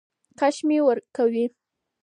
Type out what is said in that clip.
کش مي ورکوی .